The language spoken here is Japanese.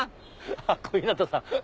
あっ小日向さん！